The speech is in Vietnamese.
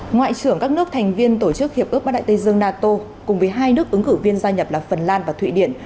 ngoại trưởng các nước thành viên tổ chức hiệp ước bắc đại tây dương nato cùng với hai nước ứng cử viên gia nhập là phần lan và thụy điển